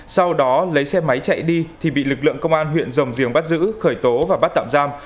sau đó lấy xe máy chạy đi thì bị lực lượng công an huyện rồng giềng bắt giữ khởi tố và bắt tạm giam